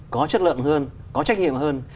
có chất lượng hơn có trách nhiệm hơn